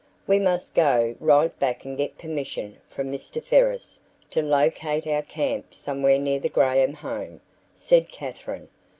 "We must go right back and get permission from Mr. Ferris to locate our camp somewhere near the Graham home," said Katherine.